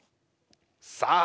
さあ